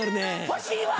欲しいわ！